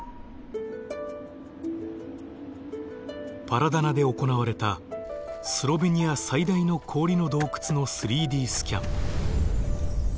パラダナで行われたスロベニア最大の氷の洞窟の３Ｄスキャン。